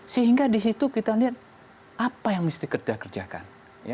sehingga di situ kita lihat apa yang mesti kerja kerjakan